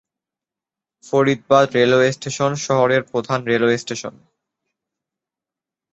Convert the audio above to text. Faridabad railway station শহরের প্রধান railway station.